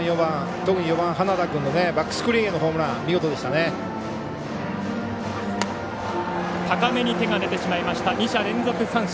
特に４番、花田君のバックスクリーンへのホームラン２者連続三振。